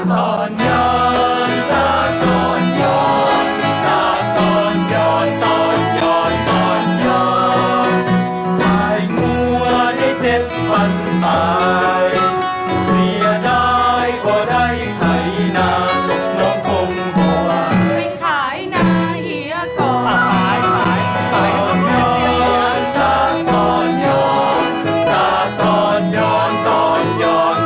ตอนย้อนจ้าตอนย้อนจ้าตอนย้อนตอนย้อนตอนย้อน